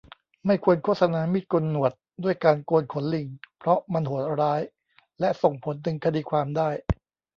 ไม่ควรโฆษณามีดโกนหนวดด้วยการโกนขนลิงเพราะมันโหดร้ายและส่งผลถึงคดีความได้